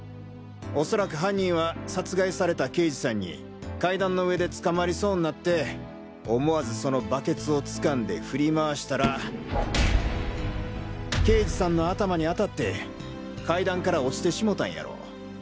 恐らく犯人は殺害された刑事さんに階段の上で捕まりそうになって思わずそのバケツを掴んで振り回したら刑事さんの頭に当たって階段から落ちてしもたんやろ。